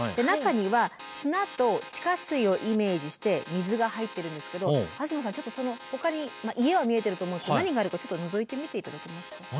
中には砂と地下水をイメージして水が入ってるんですけど東さんちょっとほかにまあ家は見えてると思うんですけど何があるかちょっとのぞいてみて頂けますか。